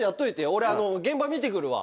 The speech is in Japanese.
俺現場見てくるわ。